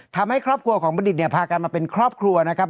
ทำให้ครอบครัวของบัณฑิตเนี่ยพากันมาเป็นครอบครัวนะครับ